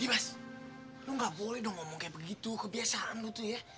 dibas lo gak boleh dong ngomong kayak begitu kebiasaan lo tuh ya